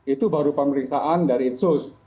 itu baru pemeriksaan dari insus